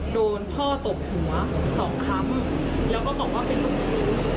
โดนพ่อตกหัวสองคำแล้วก็บอกว่าเป็นลูกชัวร์